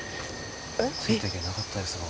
ついていけなかったです僕。